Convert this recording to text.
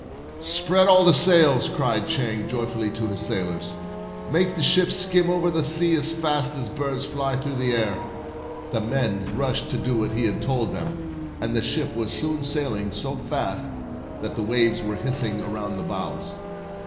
"Spread all the sails," cried Chang, joyfully, to his sailors. " Make the ship skim over the sea as fast as a bird flies through the air." The men rushed to do as he had told them, 257 and the ship was soon sailing so fast that the waves were hissing around the bows.